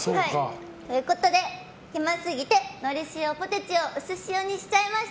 ということで暇すぎてのり塩ポテチをうす塩にしちゃいました。